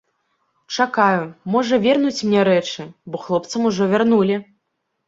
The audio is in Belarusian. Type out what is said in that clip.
Чакаю, можа, вернуць мне рэчы, бо хлопцам ужо вярнулі.